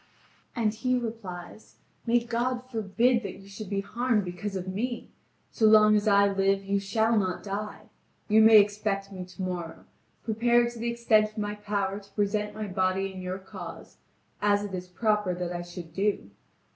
And he replies: "May God forbid that you should be harmed because of me! So long as I live you shall not die! You may expect me tomorrow, prepared to the extent of my power to present my body in your cause, as it is proper that I should do.